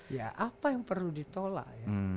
ya apa yang perlu ditolak ya